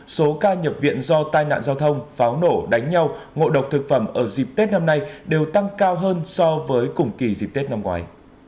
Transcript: số ca nhập viện do tai nạn giao thông pháo nổ đánh nhau ngộ độc thực phẩm ở dịp tết năm nay đều tăng cao hơn so với cùng kỳ dịp tết năm ngoái